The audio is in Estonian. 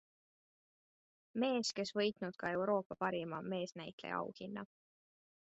Mees, kes võitnud ka Euroopa parima meesnäitleja auhinna.